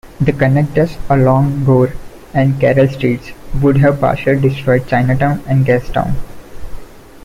The connectors along Gore and Carrall Streets, would have partially destroyed Chinatown and Gastown.